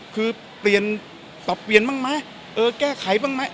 คือเปลี่ยนปรับเปลี่ยนบ้างไหมเออแก้ไขบ้างไหม